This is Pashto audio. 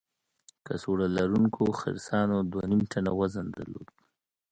کڅوړه لرونکو خرسانو دوه نیم ټنه وزن درلود.